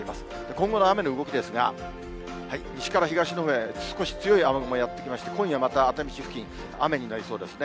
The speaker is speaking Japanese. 今後の雨の動きですが、西から東のほうへ少し強い雨雲がやって来まして、今夜また熱海市付近、雨になりそうですね。